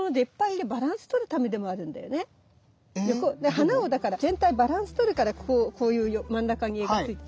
花をだから全体バランス取るからこういう真ん中に柄がついてる。